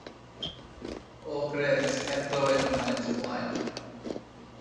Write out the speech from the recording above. Oh, grêt, heb glywed amdanynt o'r blaen.